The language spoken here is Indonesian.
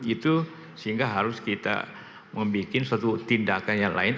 itu sehingga harus kita membuat suatu tindakan yang lain